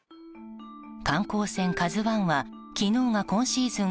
観光船「ＫＡＺＵ１」は昨日が今シーズン